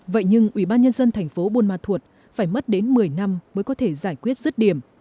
vậy nhưng ủy ban nhân dân thành phố bung thuật phải mất đến một mươi năm mới có thể giải quyết rứt điểm